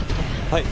はい。